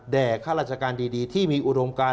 ข้าราชการดีที่มีอุดมการ